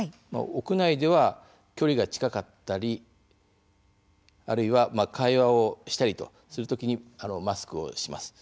屋内では距離が近かったりあるいは会話をしたりとするときにマスクをします。